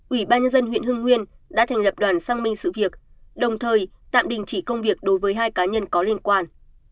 ubnd huyện hưng nguyên đã thành lập đoàn sang minh sự việc đồng thời tạm đình chỉ công việc đối với hai cá nhân có liên quan